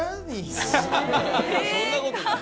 そんなことない。